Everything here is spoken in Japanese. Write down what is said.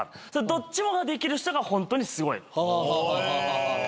どっちもができる人がホントにすごい。